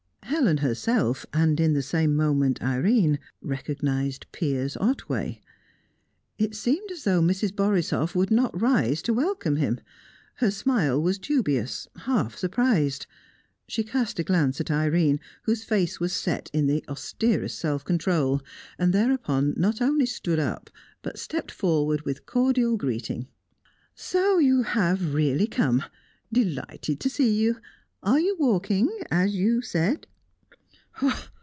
Helen herself, and in the same moment, Irene, recognised Piers Otway. It seemed as though Mrs. Borisoff would not rise to welcome him; her smile was dubious, half surprised. She cast a glance at Irene, whose face was set in the austerest self control, and thereupon not only stood up, but stepped forward with cordial greeting. "So you have really come! Delighted to see you! Are you walking as you said?"